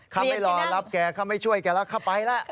ข้ามไปรอรับแกข้ามไปช่วยแกนะข้าไปแล้ว